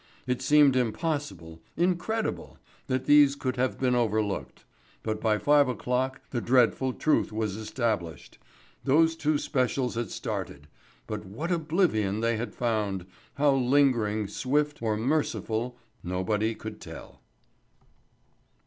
It seemed impossible, incredible, that these could have been overlooked; but by five o'clock the dreadful truth was established. Those two specials had started; but what oblivion they had found how lingering, swift, or merciful, nobody could tell.